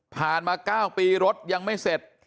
มา๙ปีรถยังไม่เสร็จ